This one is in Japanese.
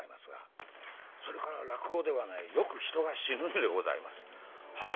それから落語ではねよく人が死ぬんでございます。